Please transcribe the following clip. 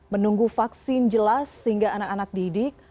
menunggu vaksin jelas sehingga anak anak didik